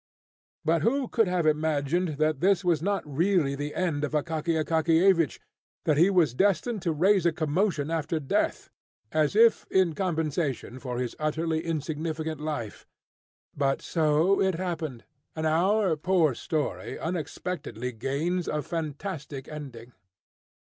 But who could have imagined that this was not really the end of Akaky Akakiyevich, that he was destined to raise a commotion after death, as if in compensation for his utterly insignificant life? But so it happened, and our poor story unexpectedly gains a fantastic ending.